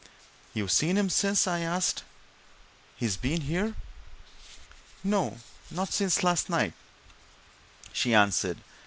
"You've seen him since?" I asked. "He's been in here?" "No not since last night," she answered.